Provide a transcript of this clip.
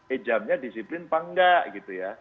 eh jamnya disiplin panggak gitu ya